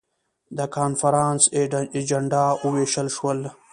د کنفرانس اجندا وویشل شول.